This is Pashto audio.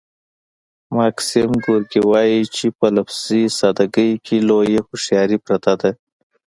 ماکسیم ګورکي وايي چې په لفظي ساده ګۍ کې لویه هوښیاري پرته ده